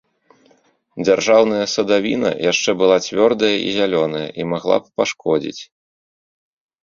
Дзяржаўная садавіна яшчэ была цвёрдая і зялёная і магла б пашкодзіць.